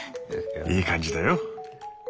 いい感じだよ。